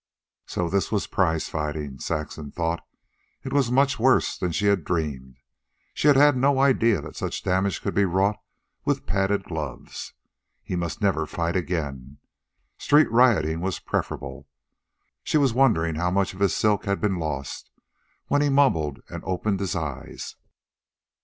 So this was prizefighting, Saxon thought. It was much worse than she had dreamed. She had had no idea that such damage could be wrought with padded gloves. He must never fight again. Street rioting was preferable. She was wondering how much of his silk had been lost, when he mumbled and opened his eyes.